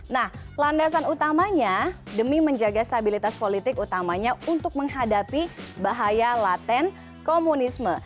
nah landasan utamanya demi menjaga stabilitas politik utamanya untuk menghadapi bahaya laten komunisme